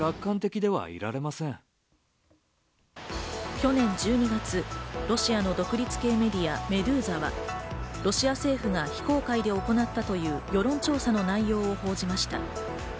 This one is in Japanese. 去年１２月、ロシアの独立系メディア、メドゥーザはロシア政府が非公開で行ったという世論調査の内容を報じました。